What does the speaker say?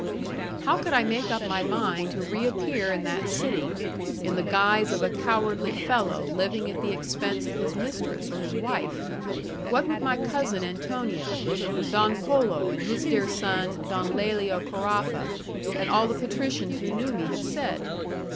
How could I make up my mind to reappear in that city, in the guise of a cowardly fellow living at the expense of his mistress or his wife? What would my cousin Antonio, Don Polo and his dear son, Don Lelio Caraffa, and all the patricians who knew me, have said?